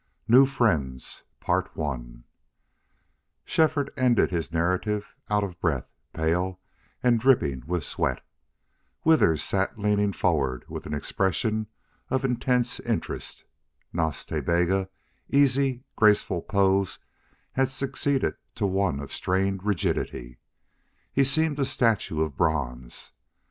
NEW FRIENDS Shefford ended his narrative out of breath, pale, and dripping with sweat. Withers sat leaning forward with an expression of intense interest. Nas Ta Bega's easy, graceful pose had succeeded to one of strained rigidity. He seemed a statue of bronze.